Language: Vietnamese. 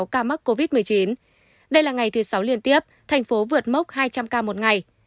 hai trăm tám mươi sáu ca mắc covid một mươi chín đây là ngày thứ sáu liên tiếp thành phố vượt mốc hai trăm linh ca một ngày